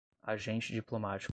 agente diplomático